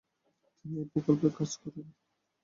তিনি এই প্রকল্পে কাজ করেন।